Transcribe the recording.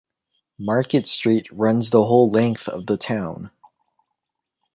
Market Street runs the whole length of the town.